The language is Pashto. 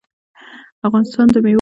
افغانستان د مېوې له مخې پېژندل کېږي.